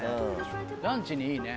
ランチにいいね。